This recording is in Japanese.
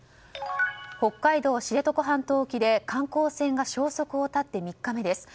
北海道知床半島沖で観光船が消息を絶って３日目です。